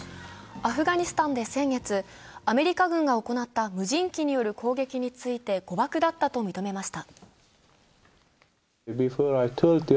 アフガニスタンで先月、アメリカ軍が行った無人機による攻撃について、誤爆だったと認めました。